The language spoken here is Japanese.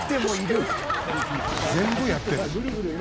「全部やってる」